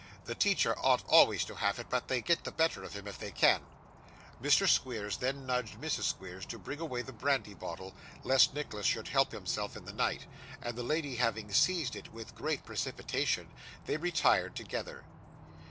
The teacher ought always to have it; but they get the better of him if they can.' Mr. Squeers then nudged Mrs. Squeers to bring away the brandy bottle, lest Nicholas should help himself in the night; and the lady having seized it with great precipitation, they retired together.